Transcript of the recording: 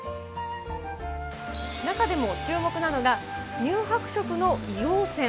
中でも注目なのが、乳白色の硫黄泉。